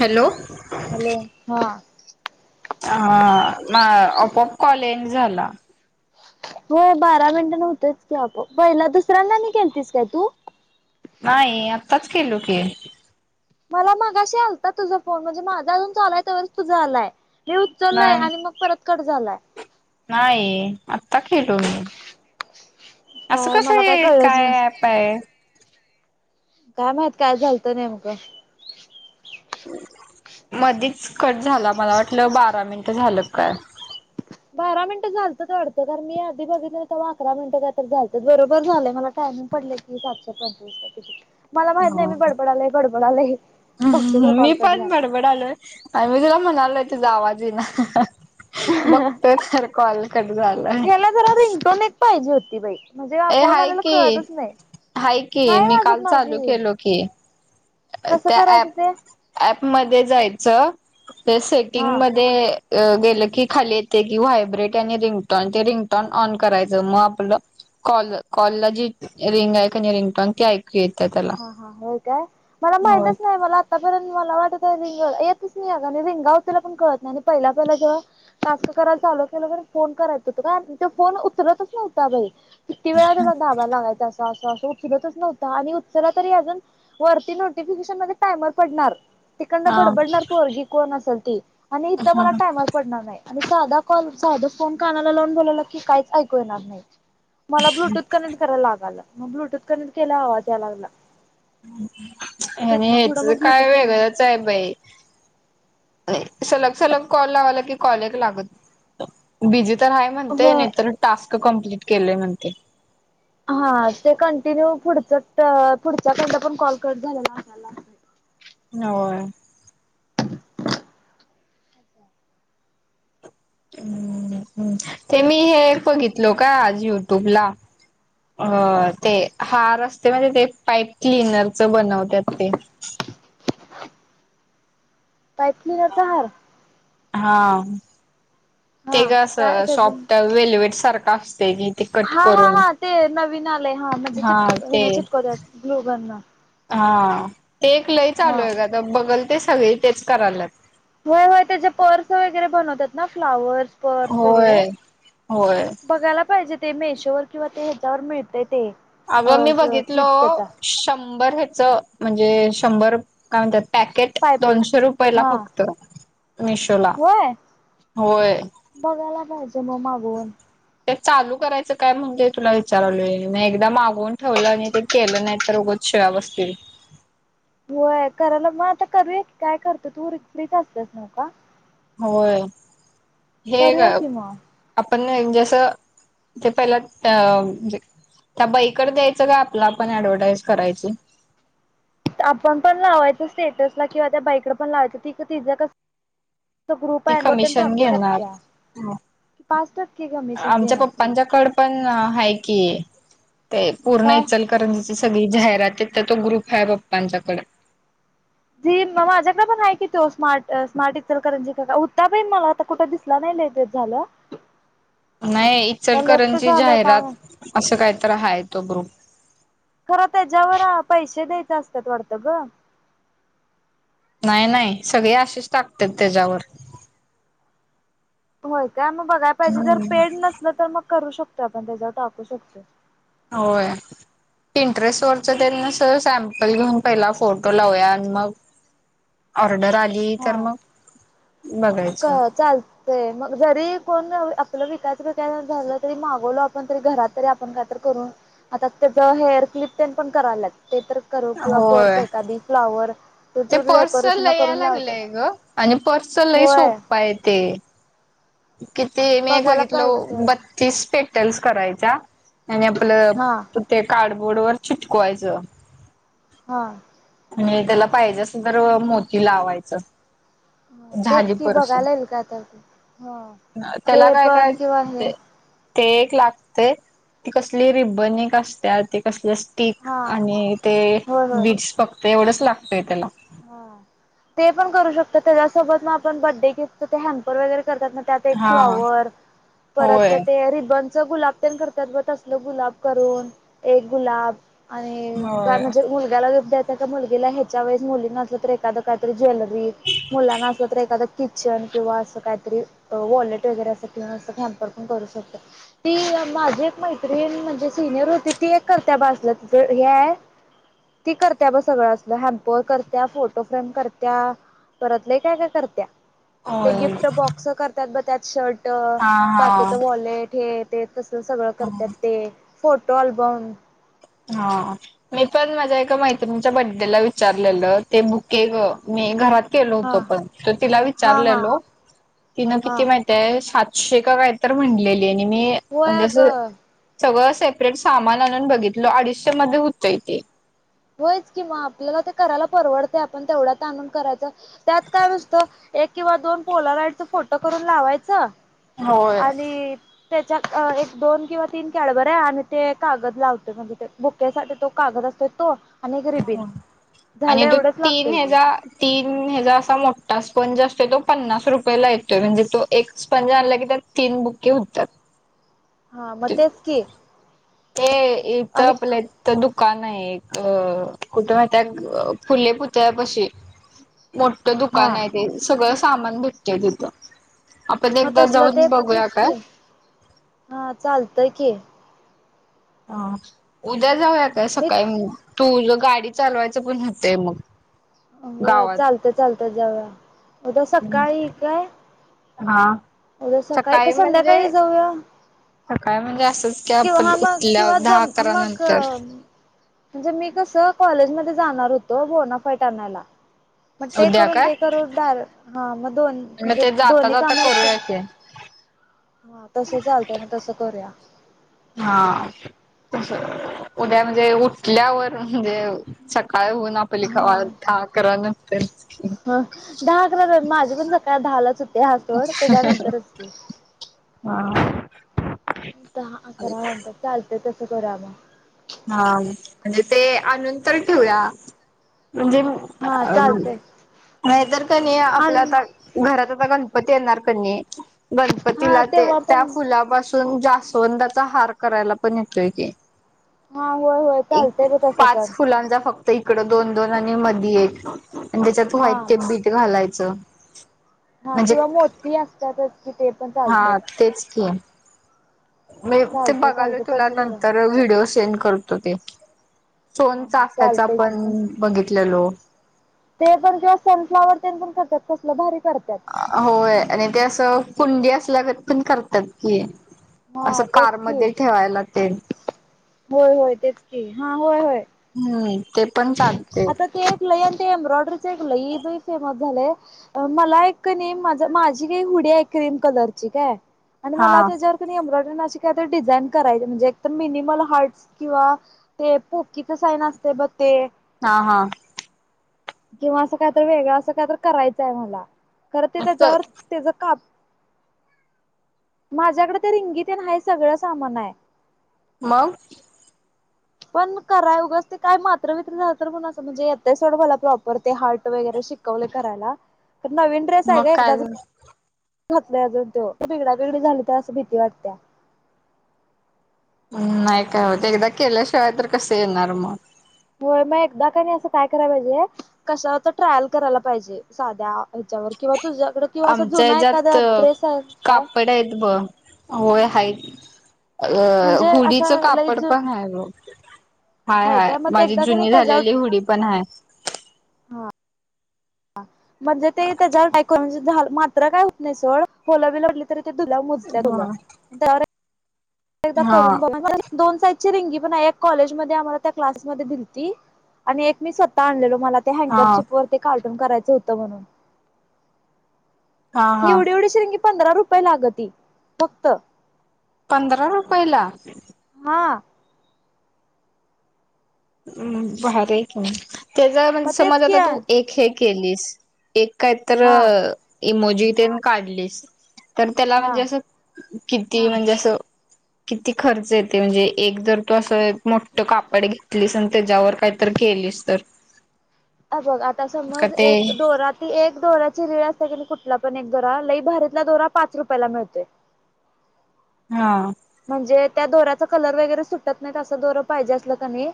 Hello hello. हा ह आपप कॉलेज झाला हो बारा मिनटं नव्हतच की आप पहिला दुसऱ्यांना नाही केेळतीस काय तू नाही आत्ताच केलो की मला मगाशी आलता तुझा फोन म्हणजे माझा अजून चालाय तरच तुझा आलाय मी उचललंय नाही आणि मग परत कट झालाय नाही आत्ता खेलो मी असं काय कस मला काय आहे कळलंच नाही काय पाय काय माहित काय झालतं नेमकं. मधीच कट झाला, मला वाटलं बारा मिनटं झालं काय. बारा मिनिटं झालतच वाडतं. कारण मी आधी बघितलं तवा अकरा मिनटं काय तर झालत बरोबर झाले मला टायमिंग पडले की सातशे पंचवीस काय किती. मला माहित नाही मी बडबड लोय बडबड लोय, बघतो तर मी कॉल कट पण जा बडबड आलोय आणि मी तिला म्हणालोय ते जावाजी ना बघत तर कॉल कट झालंय ह्याला जरा रिंगटोन एक पाहिजे होती बाई म्हणजे फोन आलेला की कळतच नाही हाय की नाही मी वाजत काल चालू माझी केलो की कसं त्या प करायचं ते ऍपमध्येध्ये जायचं ते हा सेटिंगमध्ये गेलं की खाली येते की व्हायब्रेट आणि रिंगटोन ते रिंगटोन ऑन करायचं मग आपलं कॉल कॉल ला जी रिंग आहे का नि रिंग टॉंग ती ऐकू येत हा हो काय मला माहिितच नाही मला आतापर्यंत मला वाटत रिंग येतच नाही का रिंगाव त्याला पण कळत नाही आणि पहिला पहिला जेव्हा टास्क करायला चाल केलं प फोन करायच होत का त फोन उतरतच नव्हता बाई किती वेळा त्याला ढाबा लागायचा असा असं असं उचरतच नव्हता आणि तरी अजून वरती नोटिफिकेशन मध्ये टायमर पडणार तिकड हा बडबडणार परी कोण असेल आणि इथ मला टाम पडणार नाही, आणि साधा कॉल साधच फोन कानाला लावून बोलाल की काहीच ऐकू येणार नाही. मला ब्लूटूथ कनेक्ट करायला लागाला. मग ब्लूटूथ कनेक्ट केलाव आवाज या लागला. मग आणि तिथनं पुढं ह्याच मग ब्लूटूथ काय घालून वेगळंच आहे बाई. सलग सलग कॉल लावाला की कॉल एक लागत बिझी तर हाय म्हणते, होय नाही तर टास्क कमप्लीिट केलोय म्हणते. हा ते कंटिन्यू पुढच्या पुढच्याकंड पण कॉल कट झाले ना होय. ते मी हे एक बघितलो का आज युट्यूब ला. अ ते हा रस्ते म्हधे ते पाईप क्लिनरच बनवत्यात ते. पाथली हजार. हा. ते हा का अस काय त्यातून शॉप्ट वेलवेट सारखं असते की. हा हा हा ते नवीन आलंय हा म्हणजे चिटक चिटकवल्या ब्लूगन न. हा. ते एक लय हा चालू आहे का तर बघल ते सगळे तेच करायल्यात. होय होय त्याचे पर्स वगैरे बनवतात ना फ्लावर्स. पर्स वगैरे. होय होय बघायला पाहिजे ते मेशोवर किंवा ते ह्याच्यावर मिळतय ते. अगं मी अ किट बघितलो, त्याचा शंभर ह्याच म्हणजे शंभर काय म्हणतात पॅकेट पाईप दोनशे रुपये ला हा फक्त. मिशो होय. बघायला पाहिजे मग मागऊन. ते चालू करायचं काय म्हणजे तुला विचारालोय. म एकदा मागवून ठेवलं आणि ते केलं नाही तर उगच शिळा बसतील. होय करायला मग आता करूया कि, काय करतो तू फ्रीच असतेस न का. होय. हे ग करूया की मग आपण जस ते पहिला त्या म्हणजे, त्या बाईकडं द्यायचं का आपला आपण ऍडव्हटाईज करायची? आपण पण लावायचं स्टेटसला किंवा त्या बाईकडे पण लावायचं त तिज कस ग्रुप ती आहे त्यां कमिशन टाकू घेणार. शकत्या की पाच टक्के हा कमिशन आमच्या घेणार ती पप्पांच्याकड पण हाय की, ते पूर्ण काय इचल कारण सगळी जाहिरात तिथं तो ग्रुप हाय पप्पांच्याकडे. जी म माझ्याकडे पण हाय की तो स्मार्ट स्मार्ट इचलकरंजीचा, [unintelligible] मला कुठ दिस नाही लई दिवस झालं. नाही, का लेफ्ट इचलकरंजी झालंय काय माहित जाहिरात असं काहीतर हाय तो ग्रुप. खरं त्याच्यावर पैसे द्यायचे असतात वाटतं ग. नाही नाही, सगळे अशेच टाकत्यात त्याज्यावर. होय का? मग बघाय पाहिजे, जर हम्म. पेड नसलं तर मग करू शकतोय आपण त्याच्यावर टाकू शकतो. होय. इंटरेस्ट वरच ते नसल, सॅम्पल घेऊन पहिला फोटो लावूया, आणि मग ऑर्डर आली तर मग क बघायचं चाल ते, मग जरी कोण असलं विकायचं बिकायचं झालं तरी मागवलो आपण तरी घरात तरी आपण काहीतर करून आता त्याचं हेअर क्लिप तेन पण करायलात. ते तर करू किंवा पर्स होय. एखादी फ्लावर तर ते तू पर्स डेकोरेशन ला लय याय करून लावते. लागलंय ग आणि पर्सचं लई सोप्पं आहे ते. किती मी एक बघायला बघितलो, पाहिजे ते बत्तीस पेटल्स करायच्या. आणि आपलं हा ते कार्डबोर्ड वर चिटकवायचं. हा. आणि त्याला पाहिजे असलं तर मोती लावायचं. तेच झाली की पर्स, बघायला येईल काय तर ते हा त्याला ते काय काय पण किंवा हे ते ते एक लागतंय, ती कसली रिबन एक असत्या ती कसलं अस टीक हा आणि ते होय होय बीट्स फक्त एवढंच लागतंय त्याला. हा, ते पण करू शकतो, त्याच्यासोबत मग आपण बड्डे गिफ्टच ते हॅम्पर वगैरे करतात ना त्यात ते हा फ्लॉवर, परत होय ते रिबन च गुलाब तेन करतात बघ, तसलं गुलाब करून एक गुलाब आणि काय होय म्हणजे मुलग्याला गिफ्ट द्यायचा का मुलगीला ह्याच्या वेळेस मुली नसलं तर एखादं काहीतरी ज्वेलरी, मुलांना असलं तर एखादं किचन किंवा असं काहीतरी वॉलेट वगैरे असं किंवा असं हॅम्पर पण करू शकतो. ती माझी एक मैत्रीण, म्हणजे सिनियर होती ती एक करत्या बघ असलं, तिचं हे हाय ती करत्या बघ सगळं असलं, हॅम्पर कर त्या फोटो फ्रेम करत्या, परत लय काय काय करत्या, ते होय गिफ्ट बॉक्स कर त्यात बघ त्यात शर्ट, हा बाकीच हा वॉलेट हे ते तसं सगळं करत्यात ते. फोटो अल्बम हा मी पण माझ्या एका मैत्रिणीच्या बडेला विचारलेलं, ते बुके गं मी घरात केलो हा होतो पण, तर तिला हा हा विचारलेलो, तिनं हा किती महि ते सातशे का काय तर म्हटलेली, आणि मी होय म्हणजे असं अगं सगळं सेपरेट सामान आणून बघितलं, अडीचशे मध्ये होतंय तेे. होयच कि मग, आपल्याला ते करायला परवडतंय आपण तेवढ्यात आणून करायचं. त्यात काय नुसतं, एक किंवा दोन पोलर ऍडचं फोटो करून लावायचं. होय. आणि त्याच्यात अ एक दोन किंवा तीन कॅडबर्या आणि ते कागद लावतोय म्हणजे ते बुकेसाठी तो कागद असतोय तो आणि एक रिबीन आणि झालं [unintelligible] एवढंच लागतंय न्हे की जा तीन हेजा असा मोठा स्पंज असतोय, तो पन्नास रुपयेला येतोय, म्हणजे तो एक स्पंज आणलं की त्यान तीन बुक्के होतात. हा म तोच की हे इथं आणि आपलेत. तर दुकान आहे एक, अ कुठं राहत्यात फुले पुतळ्या पशी मोठ्ठ हा दुकान आहे ते, सगळं सामान भेटतय तिथं. आपण मग एकदा तसलं ते जाऊन बघूया तेच काय? की हा चालतंय की. हा उद्या जाऊया का मी सकाळी, तूज गाडी चालवायचं होतंय मग. व्ह गावात चालतं, चालतं जावूया उद्या सकाळी काय? हां! उद्या सकाळी का, संध्याकाळी जाऊया. सकाळ म्हणजे असंच की, किंवा आपण हा मग किंवा उठल्यावर दहा जम अकरा मग नंतर. म्हणजे मी कसं कॉलेजमध्ये जाणार होतो, बोनाफाईट आणायला. म ते उद्या करून काय ते करून डार हा मग दोन म्हणजे दोन्ही काम एक केन हा तसं चालतय म तसं करूया. हा! उद्या म्हणजे उठल्यावर म्हणजे, सकाळ होऊन आप प हा लिखावा दहा, अकरा, नंतर. ह दहा अकराला, माझी पण सकाळ दहालाच होत ते हाय सोड त्याच्यानंतरच की. हा दहा अकरा नंतर चालतंय, तसं करूया आपण. हा म्हणजे ते आनूनतर ठेवूया म्हणजे हा चालतंय नाही तर कणी आपल्या आणि ताई. घरात आता गणपती येणार कणी, हा गणपतीला ते तेव्हा त्या पण फुलापासू जास्वंदाचा हार करायला पण येतोय की. हा होय, होय. चालतंय बघ एकुणा तसं पाच पण फुलांचा फक त इकड दोन, दोन, आणि मधी एक, आणि त्याच्यात हा व्हाईट ते बीट घालायचं. हा म्हणजे किंवा मोती, असतातच कि ते. पण हा चालतंय तेच कि. मी ते चालतंय बगालो, चालतंय तुला तसं करूया नंतर व्हिडिओ सेंड करतो ते. सोन हा हा चा चाफ्याचा चालतंय की पण बघितलेलो. ते पण ते सनफ्लावर तेन पण करत्यांत, कसलं भारी करत्यात. होय आणि ते असं कुंडी, असल्यागत पण करतात की. असं हा तेच की कारमध्ये ठेवायला तेेन. होय, होय, तेच की हा होय, होय. हूं ते पण चालते आता ते एक लयन, ते एम्ब्रॉयडरीच एक लई बई फेमस झालय, मला एक कणी माझ माझी ती हुडी आहे क्रीम कलरची काय? आणि हा मला त्याच्यावर कणी एम्ब्रॉयडररी न अशी काय तरी डिझाईन करायची, म्हणजे एकतर मिनिमल हार्टस किंवा ते पोकीच साहीन असतय बघ ते. हा, हा! किंवा असं काहीतरी वेगळं, असं काहीतरी करायचंय मला खर ते त्याच्यावर त्याच काप, माझ्याकडे ते रिंगीत तेन आहे सगळं सामान आहे. मंग! पण कराय उगंच ते काय मात्र, वित्री, झालं तर मंग असं म्हणजे येत सोडं मला प्रॉपर ते हार्ट वगैरे शिक कवले कराला त नवीन म काय? घातलंय अजून त्यो, त बीगडा बीगडी झाली त असं भीती वाटत्या. नाही काय होत एकदा केल्याशिवाय तर कसं येणार मग. हो मग एकदा काणी असं काय कराय पाहिजे. कशावर तर ट्रायल करायला पाहिजे साध्या ह्याच्यावर किंवा तुझ्याकडे किंवा असा आमच्या जुना ह्याच्यात एखादा ड्रेस आहे काय कापडे आहेत ब होय हायत अ म्हणजे असा हुडीचं लई कापड जुन पण आहे ग. हाय, हाय काय मग माझी एकदा का नाही जुनी त्याच्यावर झालेली हुडी पण आहे. हा म्हणजे ते त्याच्या टायको झा मात्र काय होत नाही सोड होलवी लढली तरी ते दुला हा बोला तर [unintelligible] हा दोन साईजची रिंगी पण म्हणा कॉलेज आम्हाला त्या क्लास मध्ये दिलती. आणि एक मी स्वतः आणलेलो मला ते हा हँकर चिप वर ते कार्टून करायचं होतं म्हणून. हा हा एवढी, एवढीशु रिगी पंधरा रुपये लागती फक्त. पंधरा रुपये ला? हा. हम्म भारी हायकी त्याचा म्हणजे मग तेच समज की आता तू हा एक हे केलीस. एक काय तर हा इमोजी ते काढलीस तर त्याला म्हणजे असं किती म्हणजे असं. किती खर्च येते म्हणजे एक जर तू असं मोठं कापड घेतलीस आणि त्याच्यावर काही तर केलीस तर. अ बघ आता का समज ते एक दोरात. ती एक दोऱ्याची रिळ असते की कुठला पण एक दोरा लई भारीतला दोरा पाच रुपयाला मिळतोय. हा. म्हणजे त्या दोऱ्याचा कलर वगैरे सुटत नाही असं दोरा पाहिजे असलं का नाही.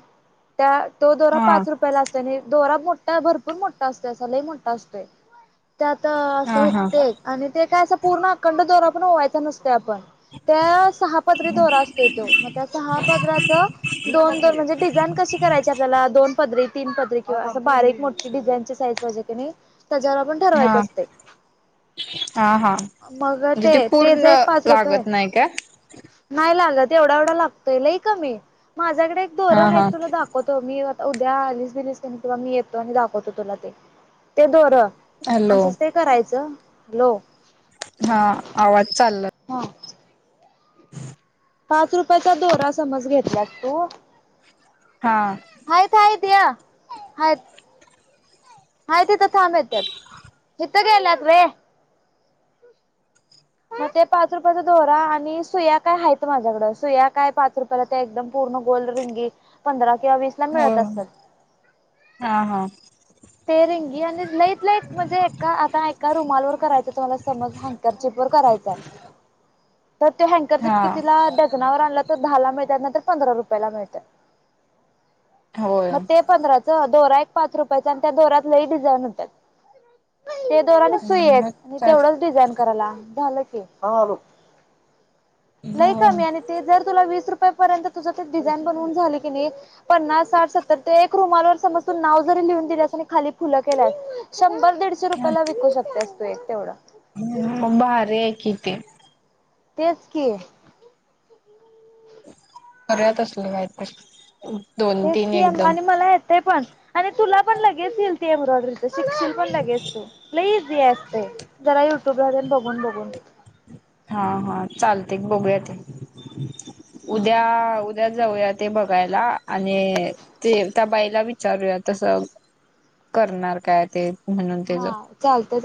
त्या तो दोरा हा पाच रुपयाला असतो आणि दोरा मोठा भरपूर मोठा असतो असा लयी मोठा असतो. त्यात असं हा होत हा ते. आणि ते काय असं पूर्ण अखंड दोरा पण ओवायचा नसते आपण त्या सहा पात्री दोरा अस असते तो मग त्या सहा पदराच दोन, दोन म्हणजे डिझाईन कशी करायची आपल्याला दोन पदरी, तीन पदरी किंवा अस बारीक मोठी डिझाईनची साईज. पाहिजे का नाय त्यावर आपण हा ठरवायचं असते. हा हा मग म्हणजे ते तेच पूर्ण एक पाच रुपये लागत नाही काय ‌? नाही लागत एवढा, एवढा लागतोय लय कमी माझ्याकडे एक हा दोरा आहेत हा तुला दाखव मी आता उद्या आलीस बिलीस नाही तुम्हाला मी एक, दोन दाखवतो तुलाते ते दोर, हॅलो असंच ते करायचं लो. हा आवाज चालला. हा. पाच रुपयाचा दोरा समज घेतलास तू. हां. हायेत, हायेत या हायेत. हायत तिथ थांबेल त्यात तिथ गेल्यात होय. मग ते पाच रुपयाचा दोरा आणि सुया काय हायत माझ्याकडं सुया काय पाच रुपय परत ते एकदम पूर्ण गोल रिंगी पंधरा किंवा वीस ला हो, मिळत असतात हा, हा. ते रिंगी आणि लईट, लईट म्हणजे एका आता एका रुमालवर करायचं तुम्हाला समज ह कचीपवर्क करायचांय. [inaudible] तर ते हँकरचेप हा कितीला डझनावर आणलं तर दहाला मिळतात नाहीतर पंधरा रुपयाला मिळत्या. होय मग ते पंधराच दोरा एक पाच रुपयाचा आणि त्या दोऱ्यात लई डिझाईन होत्यात. ते दोरा नी सुई एक मग आणि तेवढंच डिझाईन कराला झालं. ह आलो लय कामी आणि ते जर तुला वीस रुपयापर्यंत तुझं ते डिझाईन बनवून झाले की नाही. पन्नास साठ सत्तर ते एक रुमावर समजून नाव जरी लिहून दिल्यास आणि खाली फुल केल्यास शंभर दीडशे रुपयाला विकू शकतेस तू एक तेवढं. हम्म भारी हाय की ते. तेच की. खऱ्यात असलं माहत [inaudible] तेची आणि मला येत पण आणि तुला पण लगेच येईल ती एम्ब्रॉयडरी. शिकशील पण लगेस तू ईझी आहे असते जरा युट्यूब ला बघून बघून. हा हा चालते एक बघूया ते उद्या उ जाऊया ते बघायला आणि ते त्या बाईला विचारूया तस करणार काय ते. म्हणून हा तेच चालतय चाल